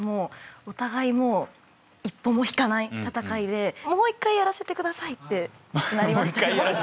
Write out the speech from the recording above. お互いもう一歩も引かない戦いでもう１回やらせてください！ってなりました。